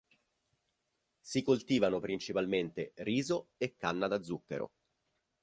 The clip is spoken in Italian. Si coltivano principalmente riso e canna da zucchero.